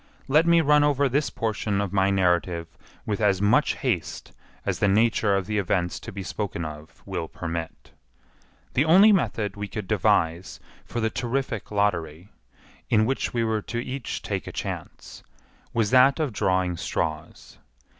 Let me run over this portion of my narrative with as much haste as the nature of the events to be spoken of will permit. The only method we could devise for the terrific lottery, in which we were to take each a chance, was that of drawing straws.